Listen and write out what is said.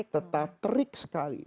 tetap terik sekali